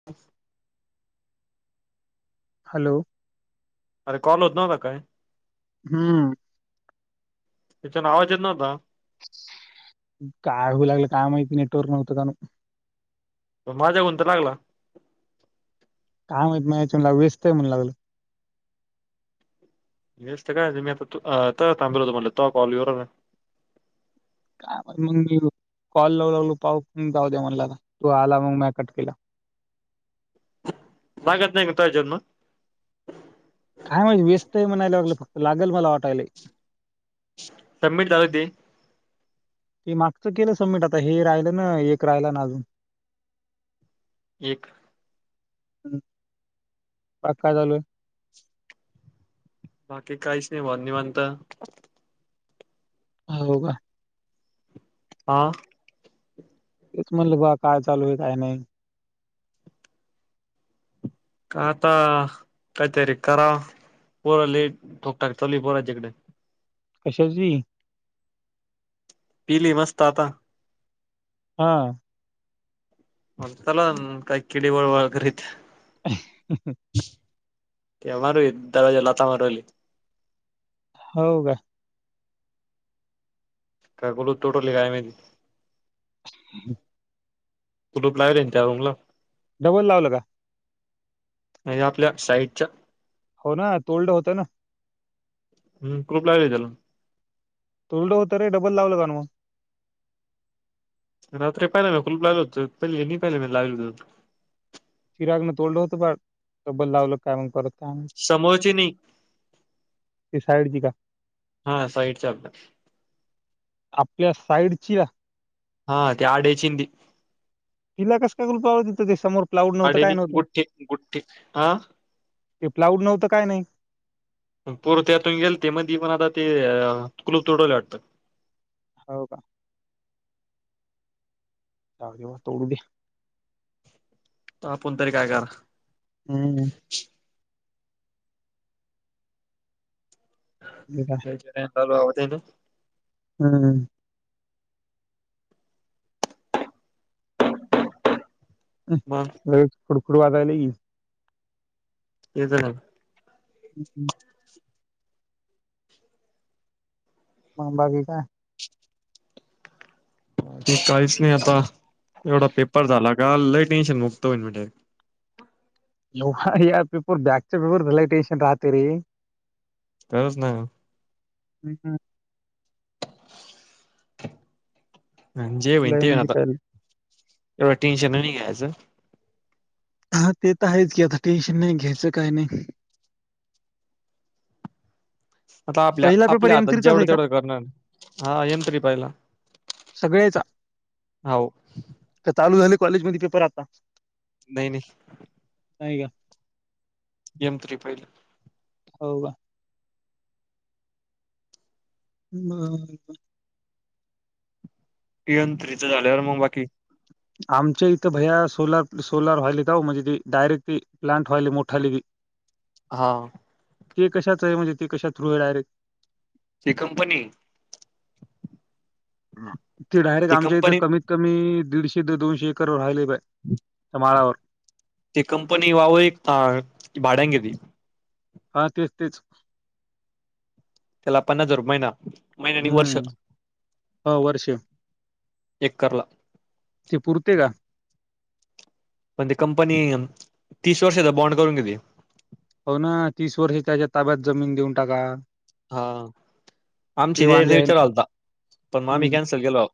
[inaudible] Hello अरे call होत नव्हता काय हम्म त्याच्या नावाजे नव्हता काय हू लागलं काय माहिती नेटवर्क नव्हतं कायनु. माझ्या कुन तर लागला. काम माहीत माझ्याच व्यस्त म्हणू लागलं. व्यस्त काय मी आता थांबल हो तुम्हाला त कॉल येऊ राहिला. काय मग मी कॉल लावू लागलो पाऊ जाऊ द्या म्हणला तू आला मग म्या कट केला. भागत नाहीय गताजन्म. काय म्हणजे वेस्ट म्हणायलागलं फक्त लागेल मला वाटायला. सबमिट जागते. ते मागचं केलं सबमिट आता हे राहिलं ना एक राहिलं ना अजून. एक बाकी काय चालूय. बाकी काहीस नाही भाव निवांत. आहे हो का. हां. तेच म्हटलं बा काय चालू आहे काय नाही. का आता काहीतरी करा पोरली टोक टाक चवली पोराच्याकड. कशा ची? पीले मस्त आता. हा. म चला काय केिळी वळ वैररी. ह ह ह. तेमरे दरवाजाला लाथा मारू राहिले. हो का? कायगोल तोटवली काय माहिती. हम्. तुलूप लावलच्या रूमला. डबल लावलं का. म्हणजे आपल्या साईडच्या हो ना तोलड होतय ना? हम खूप लागली त्याला तुडो हों र डबल लावलं काण मग? रात्री पहिला मी खुलप लागल होत पहिले पहिले म लागल. चिरागणं तोडलं होतं बा तब्बल लावलं काय माहित. समोरची नाही ते साईडची का? हा साईडच्या आपल्या. आपल्या साईडची हा त्या आडेची. तीला कस कागुलपाववर समोर. प्लाऊड नव्हतं काय अडनी नव्हतं गुठ्ठे गुठ्ठे हा. ते प्लाउड नव्हं काय नाही. पूरततून गेल ते म पण आता ते कुलूप तुडवला वाटतं. हो का? जाजव्हा तोडू दे. आपण तरी काय करा? हम्. [unintelligible] [unintelligible] हम्म. बर. फुडफुड वातायला की, ये [unintelligible] हम् हम, म बाकी काय, ते काहीच नाही आता, एवढा पेपर झाला का लई टेन्शन मुक्त होईन म्हे, व यार पेपर बॅकच्या पेपरच, लय टेन्शन राहते रे, खरच ना, [unintelligible] जे होईल लय ते होईल म्हणजे आता, काय लय. एवढ टेंशन नाही घ्यायचं. हा ते तर आहेच की, आता टेन्शन नाही घ्यायचं काही, नाही. आता आपल्या, पहिला पेपर आपल्या एम हातात थ्रीचाच जेवढं आहे का तेवढं करणार हा, येन तरी पहिला, सगळ्याचा हाव, का चालू झाले, कॉलेज मध्ये पेपर आता. नाही, नाही, नाही का, गेम तरी पहिले, हो का, ह, इन त्रीच झाल्यावर मग बाकी, आमच्या इथं भैया सोलार सोलार व्हायले, का म्हणजे त डायरेक्ट ती प्लंट व्हायली मोठाली की हा, ते कशाच आहे, म्हणे ते कश थ्रू आहेडायरेट, ती कंपनी ते डायरेक्ट ती आमच्या इथं कंपनी कमीत कमी, दीडशे, दोनशे, एकरवर राहिले. तमारावर, ती कंपनी वावर एक, भाड्यान घेतली. हा तेच, तेच, त्याला पन्नास हजार, महिना महिन्यानी वर्ष, हम्म हो वर्ष एकरला, ते पुरते का? पण ते कंपनी, तीस वर्षाचा बॉन्ड करून घेते. हो ना तीस वर्ष त्याच्या, ताब्यात जमीन देऊन टाका. हा ते आमची दे वांदे आहे ना. विचार घालता, पण मग आम्ही हम्म कॅन्सल केलो,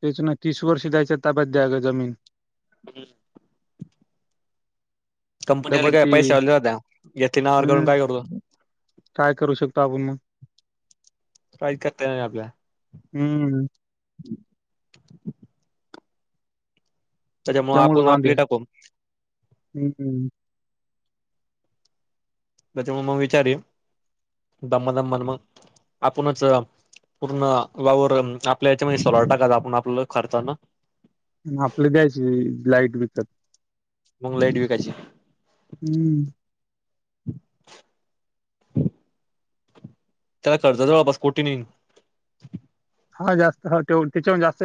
त्याच नाही तीस वर्ष द्यायच्या, ताब्यात त्यागं जमीन, हम्, कंपनीला डबल काय ती पैसे आले जात्या, त्या घेतली नावर करून हम्म काय करतो. काय करू शकतो, आपण मग. प्राईज करता नाही आपला, हम्म, [unintelligible] त्याच्यामुळे त्या मुळ च आपण वांद्य, आपले टाकू हम्म त्याच्यामुळे मग विचारी, दमम दममन मग, आपणच पूर्ण वावरर, आपल्या याच्यामध्ये सोलार टाका आपण आपला खर्चानं. आपल्या द्यायची लाईट विकत, मग लाईट विकायची, हम्म, [unintelligible] त्याला कर्ज जवळपास कोटीनीन, हा जास्त ह त्याच्याहून त्याचा हुन, जास्त,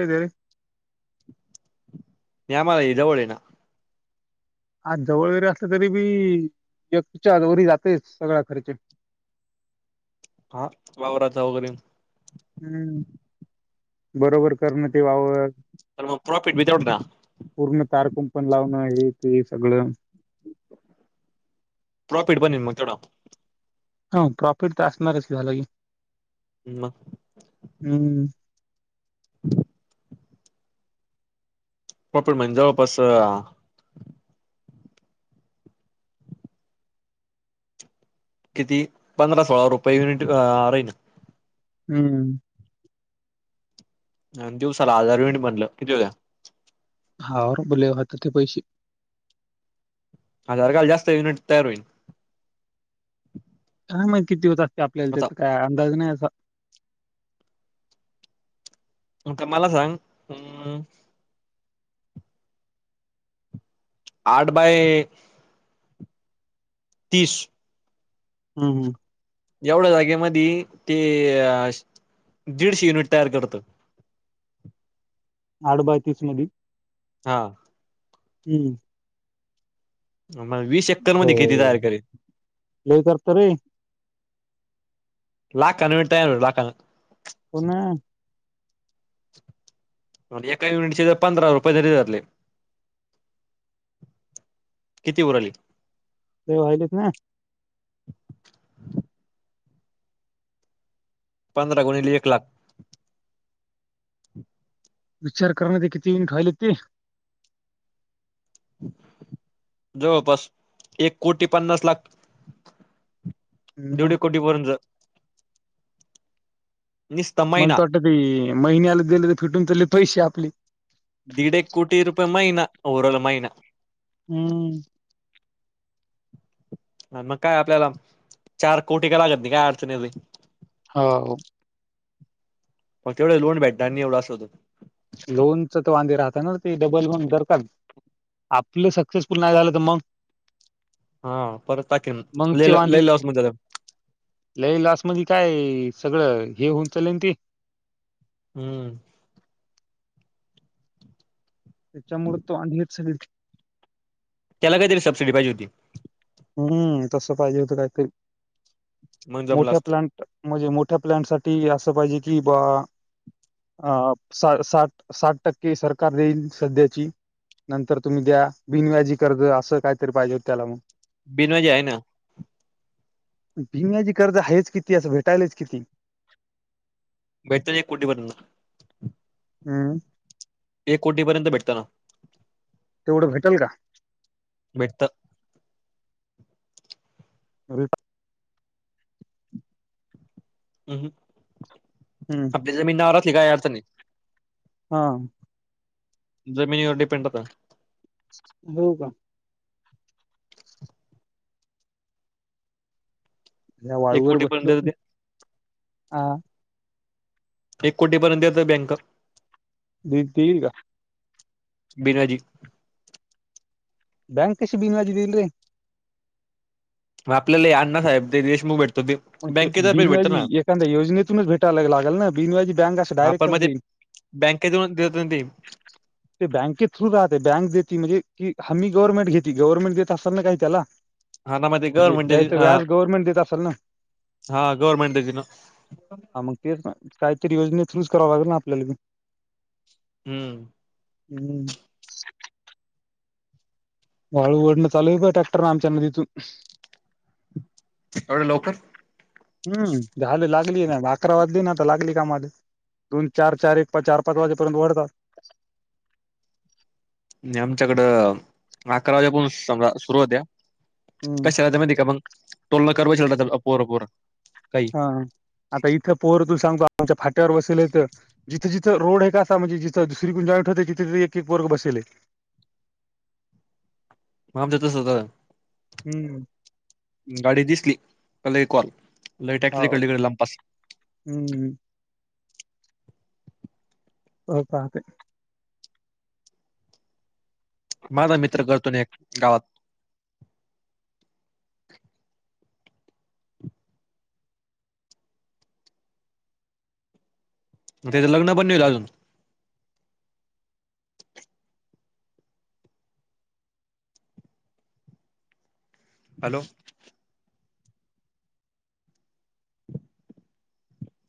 या मग जवळ हाय ना, आज जवळ वगैरे असलं तरी बी एकच्या वर जाते सगळा खर्च हा वावराचा वगैरे हम्म बरोबर करण ते वावर तर मग प्रॉफिट तेवढं ना पूर्ण तारकुं पण लावणं आहे ते सगळं प्रॉफिट बन मग तोड हा प्रॉफिट तर असणारच झालं की ह् हम् प्रॉपड म्हणजवळपास किती पंधरा सोळा रुपये युनिट राहील हम्म दिवसाला आजारविण बनलं किती होत्या हा बोले होता ते पैसे अ अर काल जास्त वीट तयार होईल हा मग किती होत असते आपल्याला आता त्याचा काय अंदाज नाही अस का मला सांग हम् आठ बाय तीस हम् हम् एवढ्या जागेमध्ये ते दीडशे युनिट तयार करतं आठ बाय तीस मध्ये हा हम् मग वीस एकर हो मध्ये किती तयार करेल लई तरतरी लाक कननट ल लाक [inaudible] हो ना एका युनिटचे ज पंधरा रुपये तरी धरले किती उरली ते व्हाहिलेच ना पंधरा गुणली एक लाख विचार कर ते किती वीट वहिले ते जवळपस एक कोटी पन्नास लाख हम्म. दिवडी कोटी बरच मला निस्तमहिना तर वाटतं महिन्याला दिले तर फिटून चालले पैसे आपले दीड एक कोटी रुपये महिना उरल महिना हम्म [inaudible] [inaudible] मग काय आपल्याला चार कोटी का लागत नाही काय अडचणी येत हो मग तेवढ लोन भेटते आणि एवढ असलं तर लोनच तर वांदे राहत ना ते डबल म्हन धरताल आपलं सक्सेसफुल नाही झालं तर मग हा परत टाकीे ल ललवस म लई लाॉस्ट मध्ये काय सगळं हे होऊन चालेन ते हम्म त्याच्यामुळे तो आणली सगळी त्याला काहीतरी सबसिडी पाहिज होती हम्म तस पाहिजे होतं काहीतरी मग जमलं मोठा असतं प्लॅन म्हणजे मोठ्या प्लॅन साठी असं पाहिजे कि बा अ साठ साठ टक्के सरकार देईल सध्याची नंतर तुम्ही द्या बिनव्याजी कर्ज असं कायतरी पाहिजे होत त्याला मगून बिनवाज आहे ना भिम्याची कर्ज आहेच किती असं भेटायलाच किती भेटतो कुठे बदल हम्म एक कोटीपर्यंत भेटत ना तेवढं भेटेल का भटत [inaudible] ह हम्म आपली जमीनवर असली काय अर्थने नाही हा जमिनीवर डिपेंड होता हो का त्या एक वाळूवर कोटी बसलो पर्यंत हा एक कोटीपर्यंत याेत बँक देतील का बिराजी बँक कश बीन वाजेलरी मग आपल्याला हे अण्णा साहेब ते देशमुख भेटत ते मग ते बँकेतर्फे भेटतं बिनवाजी ना एखाद्या योजनेतूनच भेटायलाग लागेल ना बिनवाजी बँक असं डायरेक्ट कस देईल बँकेतेतऊन देत त ते बँके थ्रू राहते बँक देत म्हजे की हम्ही गव्हर्नमेंट घेत ग्हर्नमेंट देत असाल ना काही त्याला हा ना मग ते ज गव्हर्नमेंट काही तर व्याज गव्हर्नमेंट देत असाल ना हा गवर्नमेंट द दि ना हा मग तेच काहीतरी योजने थ्रूज कराव लागे ना आपल्याला हम्म हम्म वाळू ढण चालू का टॅक्र आमच्या नदी तून एवढं लवकर हम्म झाल लागली ना अकरा वाजली ना तर लागली काममध्ये दोन चार चार एक चार पाच वाजेपर्यंत वढतात आमच्याकडं अकरा वाज्यापासून सम सुरु होत्या हम्म कशाच्या माहि का पग टोलला करवेचल आपपोर अपोर काही हा आता इथं पोहर तू सांगतो आमच्या फाट्यावर बसलथं जिथं जिथं रोड आहे कासा म्हणजे जिथ दुसरीण जाईट होते तिथेथ एक वर्ग बसेले माप देतच होता हम्म गाडी दिसली त्याला एक वॉल हो टॅक्टरी कळली कडे लांबपास हम्म हो पाते माझा मित्र करतो एक गावात म त्यां लग्न पण येई अजून हॅलो